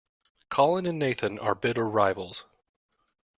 Colin and Nathan are bitter rivals.